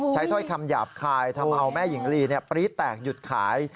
ถ้อยคำหยาบคายทำเอาแม่หญิงลีปรี๊ดแตกหยุดขาย